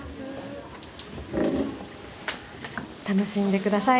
楽しんでください。